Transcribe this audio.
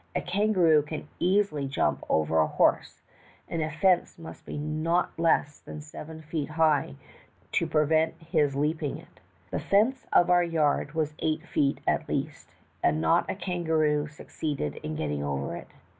A kangaroo can easil}^ jump over a horse, and a fence must be not less than seven feet high to prevent his leaping it. The fence of our yard was eight leet at least, and not a kangaroo succeeded in getting over it.